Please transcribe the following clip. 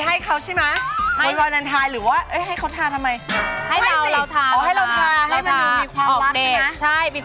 หัวใจน่ารักมากชื่ออะไรชื่ออะไรชื่ออะไร